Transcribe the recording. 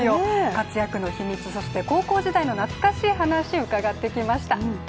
活躍の秘密、そして高校時代の懐かしい話、伺ってきました。